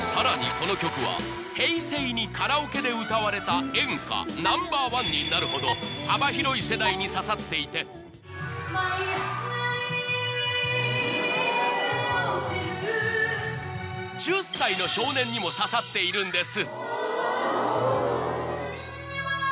この曲は平成にカラオケで歌われた演歌ナンバーワンになるほど舞い上がり揺れ墜ちる１０歳の少年にも刺さっているんです